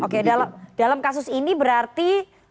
oke dalam kasus ini berarti